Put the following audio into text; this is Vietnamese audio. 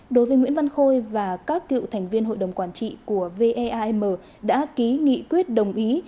đối với nguyễn văn khôi và các cựu thành viên hội đồng quản trị của veam đã ký nghị quyết đồng ý